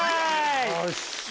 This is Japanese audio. よし！